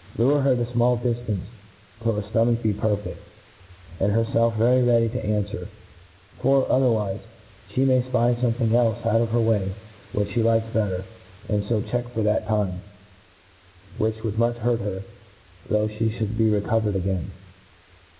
Lure her at a fmall diftance, till her ftomadi be perfeflt, and herfelf very ready to anfwer ; for, otherwife, flie may fpy fomething clfe out of her way which flie likes better, and fo check for that time, which would much hurt her, though flic fliould be recovered again.